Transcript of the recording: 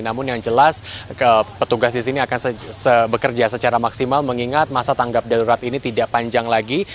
namun yang jelas petugas di sini akan bekerja secara maksimal mengingat masa tanggap darurat ini tidak panjang lagi